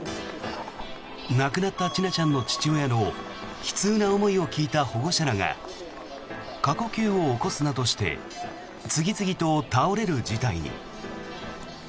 亡くなった千奈ちゃんの父親の悲痛な思いを聞いた保護者らが過呼吸を起こすなどして次々と倒れる事態に。